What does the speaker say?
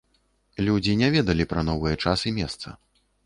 Людзі не ведалі пра новыя час і месца.